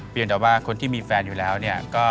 วิวต้องใช้แบบนั้นค่ะ